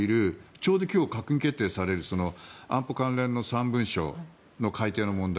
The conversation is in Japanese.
ちょうど今日、閣議決定される安保関連の３文書の改定の問題